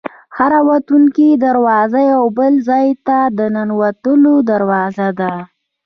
هره وتونکې دروازه یو بل ځای ته د ننوتلو دروازه ده.